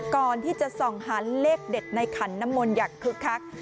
ก่อนที่จะส่องหาเลขเด็ดในขันน้ำมนต์อย่างคึกคัก